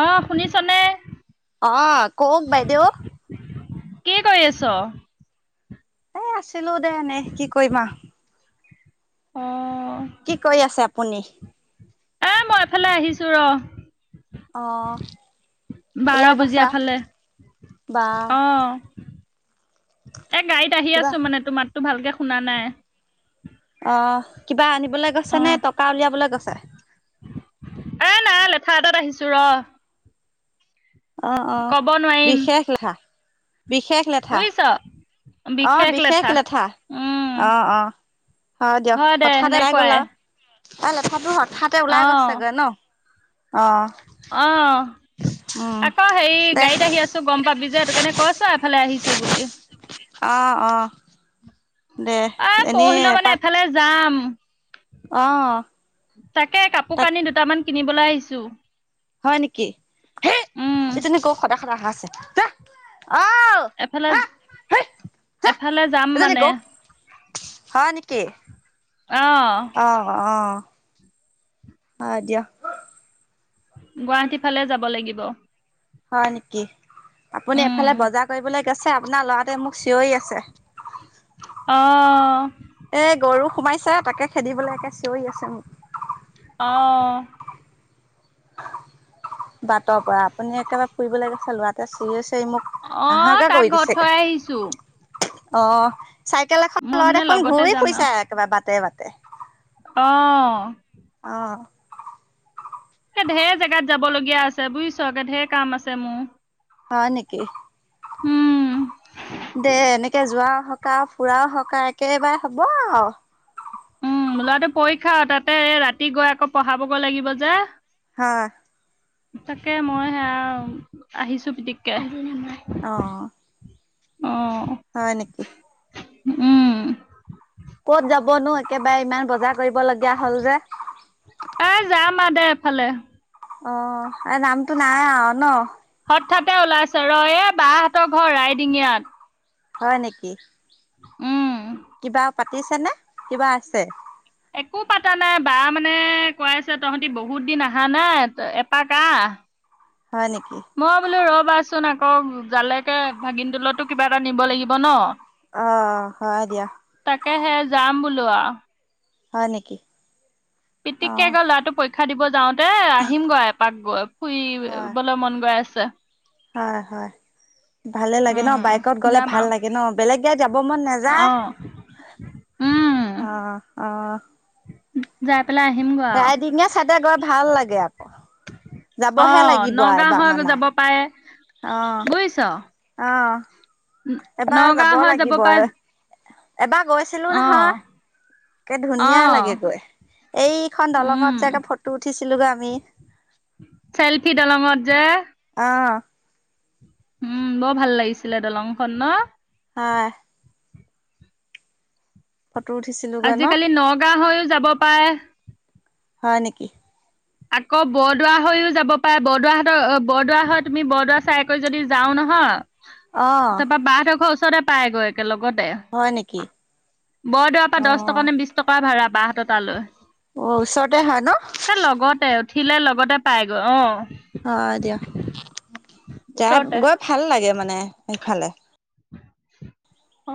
অ শুনিছ নে অ কওক বাইদেউ কি কৰি আছ? এ আছিলো দে এনেই কি কৰিম আ অ কি কৰি আছে আপুনি এ মই এফালে আহিছো ৰ অহ বাৰ বজীয়া ফালে বা অ এ গাড়ীত আহি কিবা আছো মানে তোৰ মাততটো ভালকে শুনা নাই অ কিবা আনিবলৈ গৈছে অ নে টকা উলিয়াবলৈ গৈছে এ নাই লেঠা এটাত আহিছো ৰ অ অ কব নোৱাৰিম বিশেষ লেঠা বিশেষ লেঠা বুজিছ অ বিশেষ লেথা উম অ অ হযব দিয়ক হয় দে হঠাতে ওলাই সেনেকুৱাই গলা এ লেঠাটো হঠাতে ওলাই গৈছে গৈ ন অ', উম, অহ আকৌ হেৰি দে। গাড়ীত আহি আছো গম পাবি যে সেই কাৰণে কৈছো এফালে আহিছো বুলি অহ অ দে এ এনেই পৰহিলে মানে এপাক এফালে যাম অ', তাকে কাপোৰ তাক কানি দুটামান কিনিবলৈ আহিছো হয় নেকি হ উম, এ যেনেক সদায় সদা অ আছে য এফালে যা এফালে যাম এজনী মানে গৰু হয় নেকি আহ অ অ হ দিয়ক গুৱাহাটী ফালে যাব লাগিব হয় নেকি আপুনি উম, এফালে বজাৰ কৰিবলৈ গৈছে আপোনাৰ লৰা ততে মোক চিঞৰি আছে আহ এ গৰু সোমাইছে তাকে খেদিবলৈ একে চিঞৰি আছে মোক অহ বাটৰ পৰা আপুনি একেবাৰে ফুৰিবলৈ গৈছে লৰাটোৱে চিঞৰি আছে মোক আহ হাহাকাৰ তাক কৰি ঘৰত থৈ দিছেগে আহিছো অ চাইকেল এখন মই লৈ মানে দেখুন লগতে ঘূৰি ফুৰিছে একেবাৰে বাটে বাটে অ অহ ঢেৰ জেগাত যাব লগগীয়া আছে বুজিছ একে ঢেৰ কাম আছে মোৰ হয় নেকি উম, দে এনেকে যোৱা সকা ফুৰাও সক একেবাৰে হ'ব আৰু উম লৰাটো পৰীক্ষা তাতে ৰাতি গৈ আকৌ পঢ়াবগৈ লাগিব যে হয় তাকে মই সেয়া আহিছো পিতিকে আহ অহ অ হয় নেকি উম কত যাবনো একেবাৰে ইমান বজাৰ কৰিব লগীয়া হ'ল যে ভালে। অ', আৰু নামটো নাই আও ন'। হঠাতে ওলাইছ ৰ' এ বাহঁতৰ ঘৰ ৰাইডিঙিয়াত। হয় নেকি উম কিবা পাতিছে নে কিবা আছে? একো পাতা নাই বা মানে কৈ আছে তহঁতি বহুত দিন আহা নাই এপাক আহ হয় নেকি মই বোলো ৰ'বাছো চোন আকৌ জালৈকে ভাগিন তোলতো কিবা এটা নিব লাগিব ন'। অ হয় দিয়া তাকে সে যাম বোলো আও। হয় নেকি। অ পিতিককে গৈ ল'ৰাটো পৰীক্ষা দিব যাওঁতে আহিম গৈ এপাক গৈ। হয় শুইিবলৈ মন গৈ আছে। হয় হয়। ভালে লাগে ন' উম বাইকত গ'লে যাম ভাল আৰু লাগে ন', বেলেগ গাড়ী যাব মন অ নাযায়। অ', অ'। য [unintelligible] ৰাইদিঙীয়া চাইদে গৈ ভাল লাগে আকৌ। যাবহে অ', লাগিব নগাঁও এবাৰ হৈ মানা যাব পাৰে। অ বুজিছ অ', এবাৰ নগাঁও যাব হৈ লাগিব পৰা আৰু এবাৰ গৈছিলো অ', নহয়। তে ধুনীয়া অ', লাগেগৈ, এইখন উম। দলঙত যাকে ফটো উঠিছে ছিলোগে আমি চেল্ফি দলঙত যে। অ'। উম বৰ ভাল লাগিছিলে দলংখন ন'। হয়। ফটো উঠিছিলোগৈ ন আজিকালি নগাঁও হৈও যাব পাৰে। হয় নেকি। আকৌ বৰদোৱা হৈও যাব পাৰে বৰদোৱাহঁতৰ বৰদোৱা হয় তুমি বৰদোৱা চাই কৰি যদি যাওঁ নহয় হ অ' তাৰপা বাহঁতৰ ঘৰ ওচৰতে পাইগৈ একে লগত দে হয় নেকি বৰদোৱাৰ পৰা দহ টকা অ'। নে বিশ টকা ভাড়া বাহঁতৰ তালৈ। অ', ওচৰতে হয় একে ন'। লগতে উঠিলে লগতে পাই গৈ অ'। অ', দিয় যাই ওচৰতে গৈ ভাল লাগে মানে সেইফালে।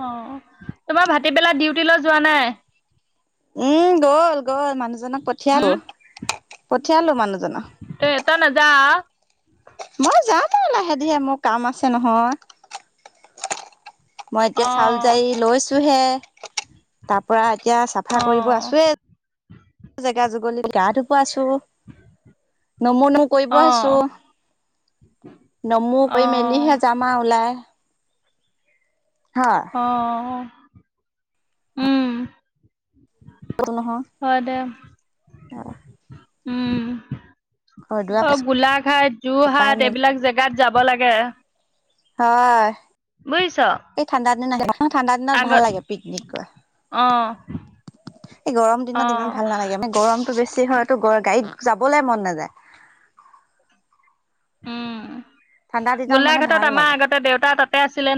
অ', তোমাৰ ভাতিবেলা ডিউটি লৈ যোৱা নাই। উম। গ'ল গ'ল মানুহজনক পঠিয়ালো উম। পঠিয়ালো মানুহজনক। এ তই নাযা? মই যাম আও লাহেধিৰে মোৰ কাম আছে নহয়। মই এতিয়া চাউল অ'। যাই লৈছো হে তাৰ পৰা এতিয়া চাফা কৰিব অ', আছোৱে, জেগা যুগলিত গা ধুৱ আছো। নমো নমো কৰিব আছো। অ', নমো কৰি অ', মেলিহে যাম আও ওলাই। হয় আহ উম তোৰ নহ হয় দে, আহ। উম অ', গোলাঘাট, চপাই যোৰহাট মেলি এইবিলাক জেগাত যাব হাব লাগে। হয়। বুজিছ। অ', ঠাণ্ডা দিনত ভাল আগত লাগে পিকনিক গৈ। অ', এই গৰম দিনত ইমান অ', ভাল নালাগে মানে গৰমতটো বেছি। হতো গাড়ীত যাবলৈ মন নাযায় অ'। ঠাণ্ডা দিনত মানে গোলাঘাটত ভাল আমাৰ লাগে আগতে দেউতা তাতে আছিলে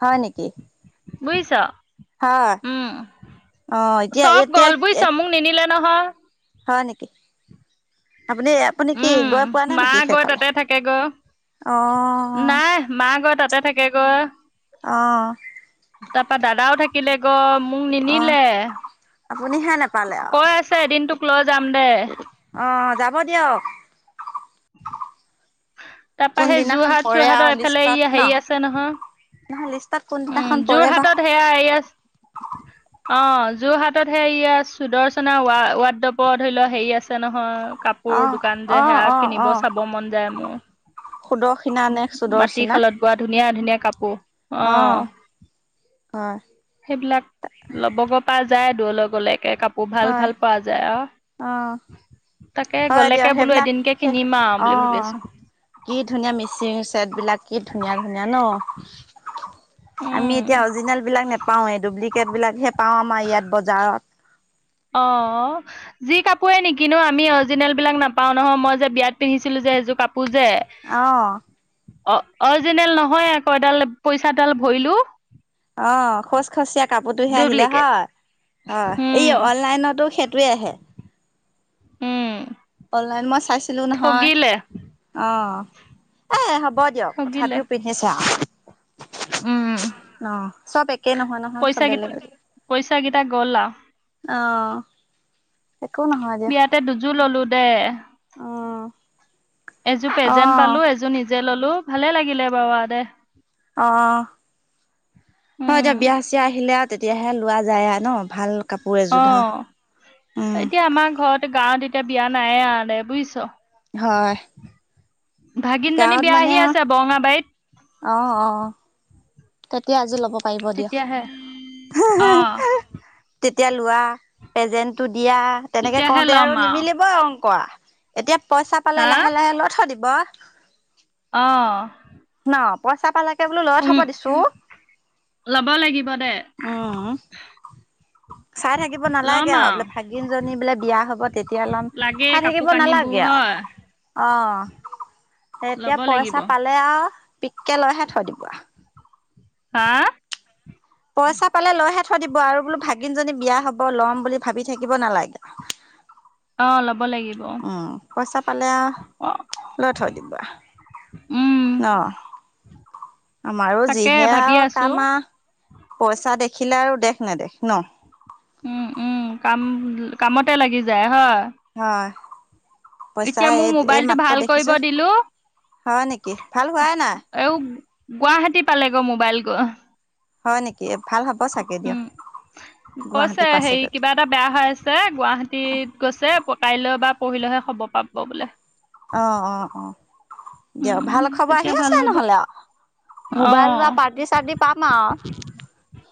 হয় নেকি বুজিছ, হয় উম অ এতিয়া চব এতিয়া গ'ল বুজিছ মোক নিনিলে। নহয়। হয় নেকি আপুনি আপুনি কি উম, গৈ পোৱা নাই মা নেকি গৈ সেইফালে? তাতে থাকেগৈ। অ নাই মা গৈ তাতে থাকে গৈ। অ'। তাৰাপা দাদাও থাকিলে গৈ মোক অ নিনিলে, আপুনি হে নেপালে আৰু কৈ আছে দিনটোক লৈ যাম দে অ', যাব দিয়ক। উ। তাৰপা সেই কোনদিনাখন যোৰহাট পৰে চোৰহাটৰ আৰু এইফালে লিষ্টত ই ন হেৰি আছে নহয়। নহয় লিষ্টত কোনদিনাখন উম যোৰ পৰে বা হাতত সেয়া এইয়া অ', জোৰ ৰ হাতত সে ইয়য়া সুদৰ্চনা ৱাদডপৰ ধৰি লও হেৰি আছে নহয়। অ কাপোৰ দোকান অ যে সেয়া অ অ কিনিব চাব মন যায় মোৰ। সুদৰ্শিনা নে মাটি সুদৰ্শিনা খালত বোৱা ধুনীয়া ধুনীয়া কাপোৰ অ', হয়। সেইবিলাক ল'বগে পৰা যায় দূৰলৈ গ'লেকে কাপোৰ। কৌ ভাল হয় ভাল পোৱা যায় অ আহ। হয় দিয়ক সেইবিলাক বুলি ভাবি অ', আছো কি ধুনীয়া মিস্ৰী চেট বিলাক কি ধুনীয়া ধুনীয়া ন'। আমি উম এতিয়া অৰিজিনেল বিলাক নেপাওৱে ডুপ্লিকেট বিলাকহে পাও আমাৰ ইয়াত বজাৰত। অ', যি কাপোৰে নিকিনো আমি অৰিজিনেল বিলাক নাপাও নহয় মই যে বিয়াত পিন্ধিছিলো যে এযোৰ কাপোৰ পূজে অ অ', অৰিজিনেল নহয় আকৌ এডাল পইচা ডাল ভৰিলো। অ', খচ খচীয়াা কাপোৰটোহে আহিলে ডুপ্লিকেট হয় অ উম এই অনলাইনত টো সেইটোৱে আহে। উম অনলাইন মই চাইছিলো নহয় ঠগিলে অ'। এই হ'ব দিয়ক ঠগিলে তথাপিও পিন্ধিছো আৰু। উম। অ', চব একেই নহয় নহয় চব পইচা বেলেগ কেইটা বেলেগ। পইচা কেইটা গ'ল আও অ'। একো নহয় দিয়ক বিয়াতে দুযোৰ ললো দে। অ'। এযোৰ প্ৰেজেণ্ট পালো এযোৰ নিজে ললো ভালে লাগিলে বাৰু দে। অ'। হয় যদিয়ক উম বিয়া চিয়া আহিলে। তেতিয়াহে লোৱা যায় আৰু ন', ভাল কাপোৰ এযোৰ ধৰ অ', উম এতিয়া আমাৰ ঘৰত গাঁৱত এতিয়া বিয়া নাই আ দে বুজিছ। হয় ভাগিনজনী গাঁৱত বিয়া মানে আহি আছে বৰঙাবাৰীত অহ অ অ এতিয়া আজি ল'ব পাৰিব তেতিয়াহে দিয়ক হে অ হে হে তেতিয়া লোৱা পেজেন্টটো দিয়া তেনেকে তেতিয়াহে কওঁতে ল'ম আৰু আও নিমিলিব অংক কৰা এতিয়া পইচা পালে লাহে লাহে লৈ থৈ দিব অহ ন পইচা পালে কে বুলো লৈ থব দিছো লব লাগিব দে উম চাই থাকিব নালাগে ল'ম আৰু আও বোলে ভাগিন জনী বোলে বিয়া হব তেতিয়া লম লাগেই চাই কাপোৰ থাকিব কানিবোৰ নালাগে আও হয় অ এতিয়া ল'ব লাগিব পইচা পালে আও পিককে লৈহে থৈ দিব হা পইচা পালে লৈ হে থয় দিব আৰু বোলো ভাগিন জনী বিয়া হব ল'ম বুলি ভাবি থাকিব নালাগে অ ল'ব লাগিব উম পইচা পালে আও অ লৈ থৈ দিব আও উম নহ আমাৰো তাকে যিহে ভাবি আৰু আছো কাম আ পইচা দেখিলে আৰু দেখ নেদেখ ন উম উম কাম কামতে লাগি যায় হয় হয় পইচা এতিয়া মোৰ এই এই মোবাইলটো মাত্ৰ ভাল কৰিব দেখিছো দিলো হয় নিকি ভাল হোৱাই নাই এও গুৱাহাটী পালেগৈ মোবাইল গৈ হয় নিকি ভাল হ'ব চাগে দিয়ক উম কৈছে গুৱাহাটী হেৰি পাছেগৈ কিবা এটা বেয়া হৈ আছে গুৱাহাটীত গৈছে কাইলৈ বা পৰহি লেহে খবৰ পাব বোলে অ অ অ দিয়ক ভাল উম খবৰ আহি তেতিয়া ভাল আছে হ'ব নহ'লে আৰু অ মোবাইল লোৱা পাৰ্টি চাৰ্টি পাম আৰু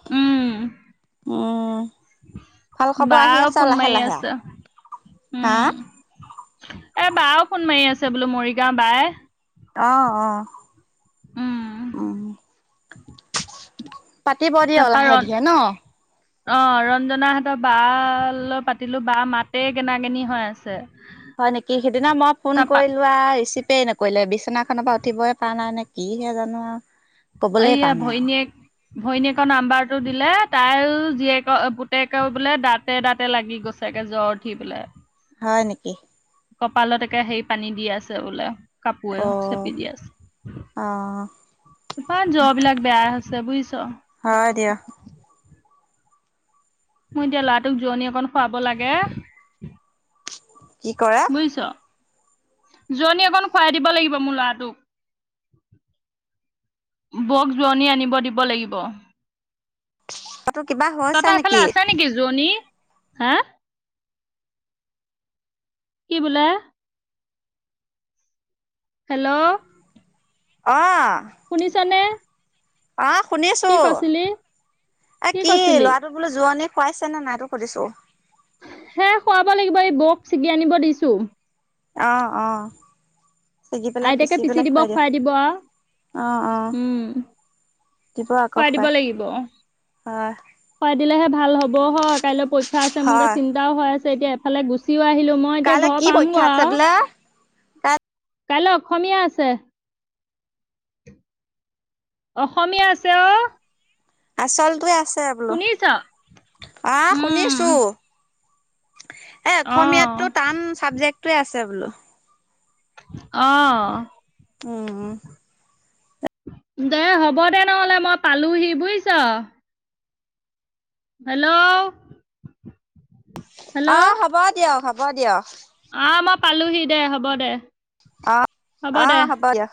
উম উম ভাল খবৰ আহি বাও আছে ফোন লাহে মাৰি লাহে আও আছে হা উম এ বাও ফোন মাৰি আছে বোলো মৰিগাঁও বায়ে অহ অহ উম পাতিব দিয় তাৰপা লাহে ৰন ধিৰে ন অ ৰঞ্জনা হতৰ বা ৰ লগত পাতিলোঁ বা মাতে গেনা-গেনি হৈ আছে। হয় নিকি সিদিনা মই ফোন তাৰপা কৰিলো আৰু ৰিচিভ নকৰিলে বিচনাখনৰ পৰা উঠিবই পৰা নাই নে কিহে জানোঁ আও অয়া ভৈনীয়েক ভৈনীয়েকৰ নাম্বাৰ টো দিলে তাই জীয়েকৰ পুতেকে বোলে দাতে দাতে লাগি গৈছে। তাকে জ্বৰ উঠি পেলাই। হয় নিকি? কপালত একে সেই পানী দি আছে বোলে কাপোৰে অ', চেপি দি আছে। অ', পা জৰবিলাক বেয়া হৈছে বুইছ? হয় দিয়ক। মোৰ এতিয়া ল'ৰাটোক জোৰণী অকণ খুৱাব লাগে। কি কৰা? জোৱনি অকণ খুৱাই দিব লাগিব মোৰ ল'ৰাটোক। বক জোৱণী আনিব দিব লাগিব। অ তহঁতৰ এফালে আছে নিকি জোৱনী হা? কি বোলে? হেল্ল' অ'। শুনিছেনে। অ', শুনিছোঁ এই কি ল'ৰাটো বোলে যোৱনী খুৱাইছে নে নাই সেইটো সুধিছোঁ। সেই খুৱাব লাগিব এই বৌক ছিগি আনিব দিছোঁ। অ'- অ'। ছিগি পেলাই আইতাকে পিচি পেলাই দিব দিয়া খুৱাই দিব আও, অ অ উম। দিব আকৌ খোৱাই দিব খুৱাই লাগিব। হয় খোৱাই দিলেহে ভাল হ'ব হয় কাইলৈ পৰীক্ষা আছে মোৰ যে হয় চিন্তাও হৈ আছে এতিয়া এফালে গুচিও আহিলোঁ। মই এতিয়া কাইলৈ ঘৰ কি পাম পৰীক্ষা গৈ আছে আৰু বোলে কাই কাইলৈ অসমীয়া আছে। অসমীয়া আছে অ'। আচলটোৱে আছে বোলো, শুনিছ আ উম শুনিছোঁ ‌। এ অসমীয়াতটো অ টান চাবজেক্টোৱে আছে বোলো। অ'। উম। দে হ'ব দে নহ'লে, মই পালোহি বুইছ। হেল্ল'। হেল্ল' অ', হ'ব দিয়ক-হ'ব দিয়ক। অ', মই পালোহি দে হ'ব দে। অ'-অ' হ'ব দিয়ক।